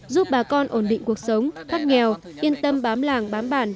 giúp bà con ổn định cuộc sống thoát nghèo yên tâm bám làng bám bản